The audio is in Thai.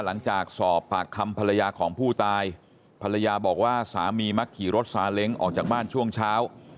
หลังจากสอบปากคำภรรยาของผู้ตายภรรยาบอกว่าสามีมักขี่รถซาเล้งออกจากบ้านช่วงเช้า